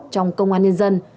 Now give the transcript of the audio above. trong công an nhân dân